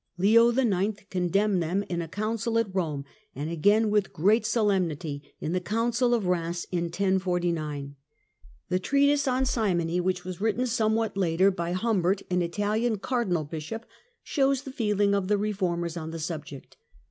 Leo IX. con demned them in a Council at Eome, and again, with great solemnity, in the Council of Eheims in 1049. The treatise on simony, which was written somewhat later by Humbert, an Italian cardinal bisliop, shows the feeling of the reformers on the subject.